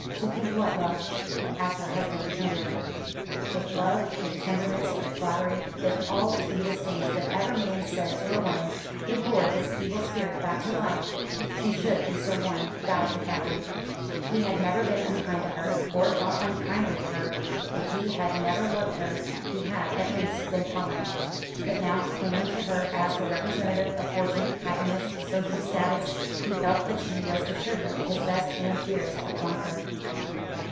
"To think what, love?" asked her husband tenderly. If love, if tenderness, if flattery, if all sweetest things that ever man said to a woman could lure this feeble spirit back to life, she should be so won, vowed the Captain. He had never been unkind to her, or thought unkindly of her. If he had never loved her, he had, at least, been tolerant. But now, clinging to her as the representative of fortune, happiness, social status, he felt that she was assuredly his best and dearest upon earth.